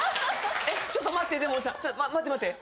ちょっと待ってでもおじさん待って待って。